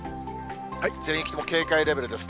全域とも警戒レベルです。